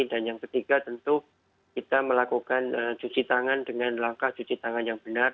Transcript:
dan yang ketiga tentu kita melakukan cuci tangan dengan langkah cuci tangan yang benar